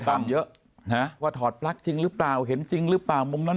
กรรมเยอะว่าถอดปลั๊กจริงหรือเปล่าเห็นจริงหรือเปล่ามุมนั้น